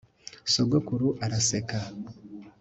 sogokuru araseka